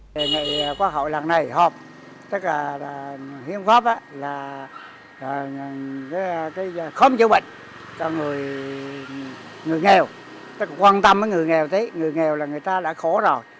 từ người nghèo tôi cũng quan tâm với người nghèo tí người nghèo là người ta đã khổ rồi